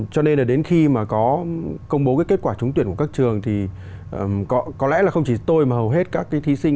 cho nên đến khi mà có công bố kết quả trúng tuyển của các trường thì có lẽ là không chỉ tôi mà hầu hết các thí sinh